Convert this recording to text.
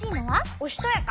おしとやか。